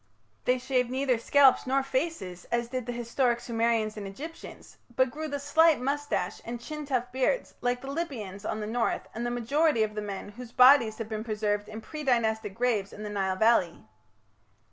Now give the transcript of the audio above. They shaved neither scalps nor faces as did the historic Sumerians and Egyptians, but grew the slight moustache and chin tuft beard like the Libyans on the north and the majority of the men whose bodies have been preserved in pre Dynastic graves in the Nile valley.